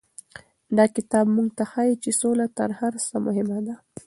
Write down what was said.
دا کتاب موږ ته ښيي چې سوله تر هر څه مهمه ده.